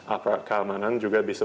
aparat keamanan juga bisa